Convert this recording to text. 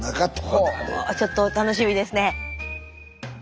ほちょっと楽しみですね。